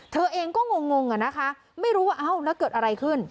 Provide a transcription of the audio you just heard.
เธอเองก็งงอะนะคะไม่รู้ว่าเอ้าแล้วเกิดอะไรขึ้น